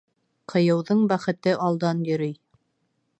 Ҡыйыуҙың бәхете алдан йөрөй.